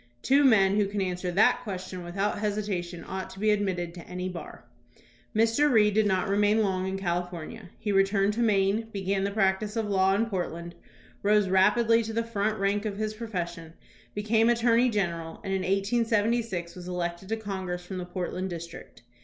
Two men who can answer that question without hesi tation ought to be admitted to any bar." Mr. Reed did not remain long in California. He return 3d to Maine, began the practice of the law in Portland, rose rapidly to the front rank of his profes sion, became attorney general, and in 1876 was elected to Congress from the Portland district.